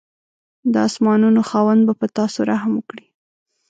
د اسمانانو خاوند به په تاسو رحم وکړي.